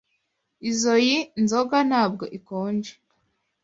Izoi nzoga ntabwo ikonje.